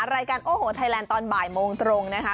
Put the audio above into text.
รายการโอ้โหไทยแลนด์ตอนบ่ายโมงตรงนะคะ